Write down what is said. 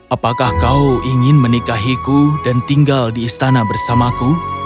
apakah kau ingin menikahiku dan tinggal di istana bersamaku